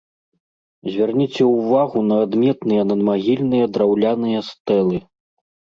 Звярніце ўвагу на адметныя надмагільныя драўляныя стэлы.